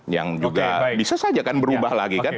yang juga bisa saja kan berubah lagi kan